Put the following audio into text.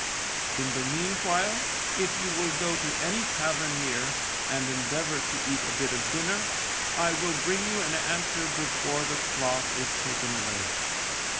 In the meanwhile, if you will go to any tavern near, and endeavour to eat a bit of dinner, I will bring you an answer before the cloth is taken away.